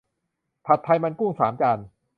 ผัดไทยมันกุ้ง สามจาน